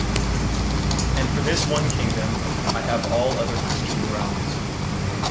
And for this one kingdom, I have all other Christian realms.